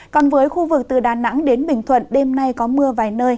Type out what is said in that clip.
còn với khu vực từ đà nẵng đến bình thuận đêm nay có mưa vài nơi